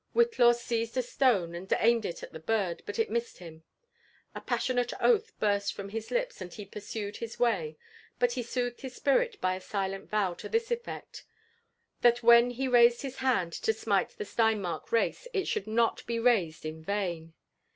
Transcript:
Whitlaw seized a stone and aimed it al the bird, but it missed him. A passionate oath burst from his lips as he pursued his way ; but he soothed his spirit by a silent TOW to this etlect — that whtn he raised his hand to smite the Stein * mark race, it should not be raised in vain.